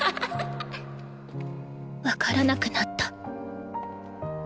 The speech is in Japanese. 分からなくなった。